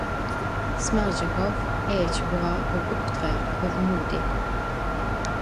Smerdjakov er ikkje bra og opptrer hovmodig.